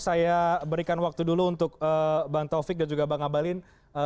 saya berikan waktu dulu untuk bang taufik dan juga bang abalin